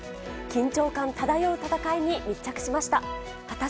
緊張感漂う戦いに密着しました。